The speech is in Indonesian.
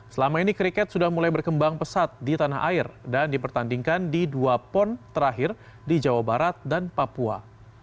selama ini kriket sudah mulai berkembang pesat di tanah air dan dipertandingkan di dua pon terakhir di jawa barat dan papua